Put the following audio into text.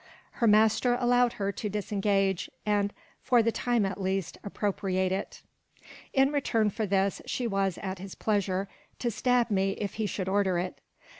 Her master allowed her to disengage, and, for the time at least, appropriate it. In return for this, she was, at his pleasure, to stab me if he should order it.